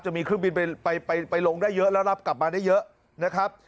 จะมีเครื่องบินไปลงได้เยอะแล้วรับกลับมาได้เยอะนะครับ